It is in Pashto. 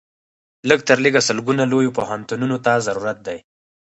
لږ تر لږه سلګونو لویو پوهنتونونو ته ضرورت دی.